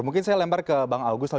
mungkin saya lempar ke bang agus